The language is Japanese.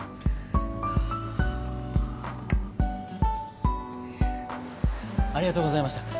ありがとうございます。